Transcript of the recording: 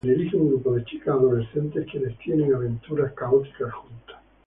Dirige un grupo de chicas adolescentes, quienes tienen aventuras caóticas juntas.